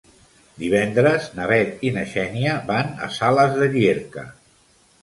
Divendres na Bet i na Xènia van a Sales de Llierca.